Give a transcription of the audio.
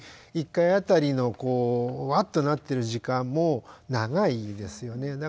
１回あたりのこうワッとなってる時間も長いですよね。